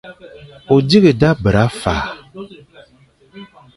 O dighé da bera fa.